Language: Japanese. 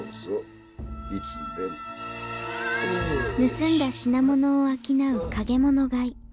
盗んだ品物を商う陰物買い。